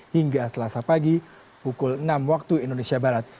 hingga selasa pagi pukul enam waktu indonesia barat